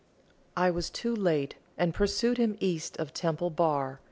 I was too late, and pursued him east of Temple Bar.